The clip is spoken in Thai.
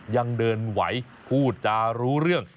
ยังเดินไหวพูดจารู้เรื่อง